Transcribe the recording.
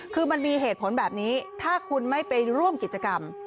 คือมันมีเหตุผลแบบนี้ถ้าคุณไม่ไปร่วมกิจกรรม